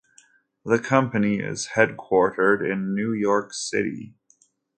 The company is headquartered in New York City.